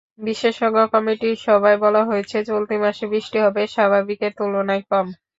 বিশেষজ্ঞ কমিটির সভায় বলা হয়েছে, চলতি মাসে বৃষ্টি হবে স্বাভাবিকের তুলনায় কম।